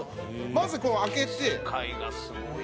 まずこう開けて。